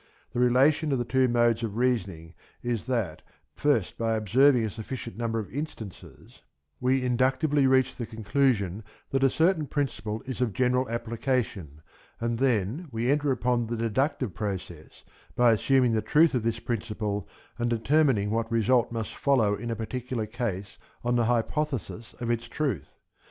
The relation of the two modes of reasoning is that, first by observing a sufficient number of instances, we inductively reach the conclusion that a certain principle is of general application, and then we enter upon the deductive process by assuming the truth of this principle and determining what result must follow in a particular case on the hypothesis of its truth.